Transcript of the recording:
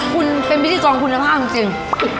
คุณเป็นพิธีกรคุณภาพจริง